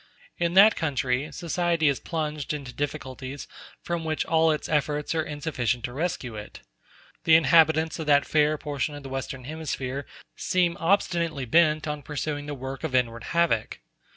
In that country society is plunged into difficulties from which all its efforts are insufficient to rescue it. The inhabitants of that fair portion of the Western Hemisphere seem obstinately bent on pursuing the work of inward havoc.